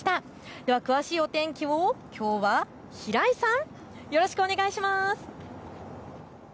では詳しいお天気をきょうは平井さん、よろしくお願いします。